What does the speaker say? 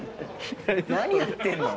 何やってんの？